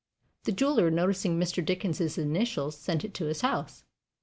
The jeweler, noticing Mr. Dickens's initials, sent it to his house.